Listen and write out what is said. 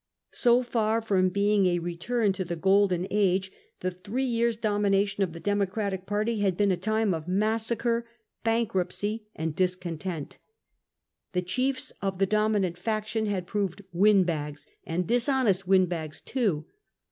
So far from being a return to the Golden Age, the three CINNA AEMS AGAINST SULLA 139 years domination of the Democratic party had been a time of massacre, bankruptcy, and discontent. The chiefs of the dominant faction had proved windbags, and dishonest windbags too.